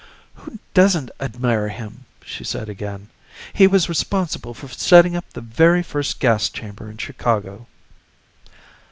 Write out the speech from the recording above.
"Who doesn't admire him?" she said again. "He was responsible for setting up the very first gas chamber in Chicago."